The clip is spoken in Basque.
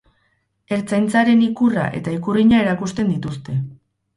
Ertzaintzaren ikurra eta ikurrina erakusten dituzte.